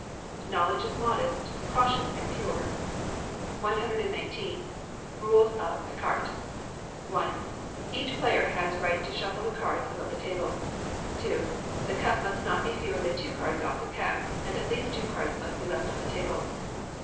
[KNOWLEDGE IS MODEST, CAUTIOUS, AND PURE.] 119. Rules of Ecarté. i. Each player has right to shuffle the cards above the table. ii. The cut must not be fewer than two cards off the pack, and at least two cards must be left on the table.